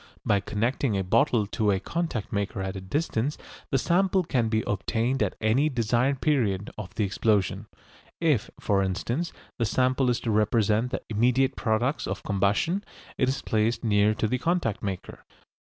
By connecting a bottle to a contact maker at a distance the sample can be obtained at any desired period of the explosion. If, for instance, the sample is to represent the immediate products of combustion, it is placed near to the contact maker.